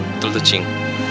betul tuh cing